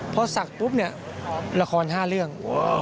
พอศักดิ์ปุ๊บเนี่ยละคร๕เรื่อง